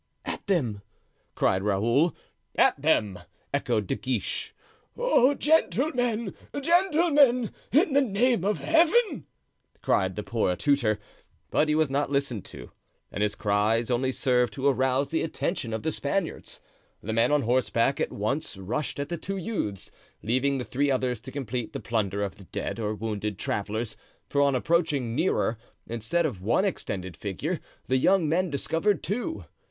"At them!" cried Raoul. "At them!" echoed De Guiche. "Oh! gentlemen! gentlemen! in the name of Heaven!" cried the poor tutor. But he was not listened to, and his cries only served to arouse the attention of the Spaniards. The men on horseback at once rushed at the two youths, leaving the three others to complete the plunder of the dead or wounded travelers; for on approaching nearer, instead of one extended figure, the young men discovered two.